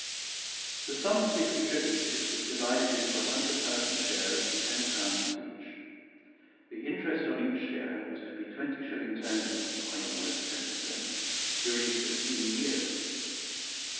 The sum to be contributed was divided into a hundred thousand shares of ten pounds each. The interest on each share was to be twenty shillings annually, or, in other words, ten per cent., during sixteen years.